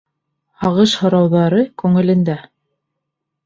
Һағыш-һорауҙары күңелендә.